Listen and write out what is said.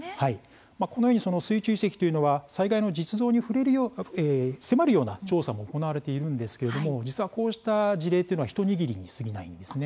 このように水中遺跡というのは災害の実像に迫るような調査も行われているんですけれども実はこうした事例っていうのは一握りにすぎないんですね。